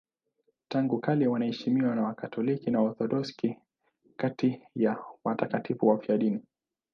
Tangu kale wanaheshimiwa na Wakatoliki na Waorthodoksi kati ya watakatifu wafiadini.